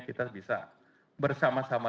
kita bisa bersama sama